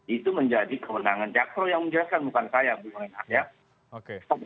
itu menjadi kemenangan jaktop yang menjelaskan bukan saya bumren hat